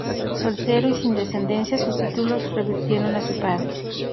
Soltero y sin descendencia, sus títulos revirtieron a su padre.